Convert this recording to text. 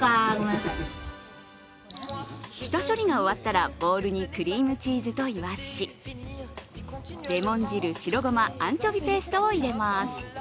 下処理が終わったら、ボウルにクリームチーズといわし、レモン汁、白ごま、アンチョビペーストを入れます。